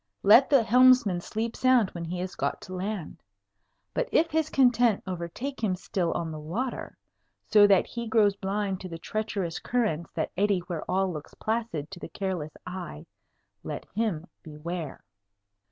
Let the helmsman sleep sound when he has got to land! But if his content overtake him still on the water, so that he grows blind to the treacherous currents that eddy where all looks placid to the careless eye, let him beware!